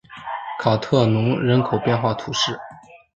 卡特农人口变化图示